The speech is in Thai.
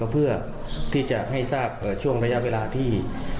เป็นไ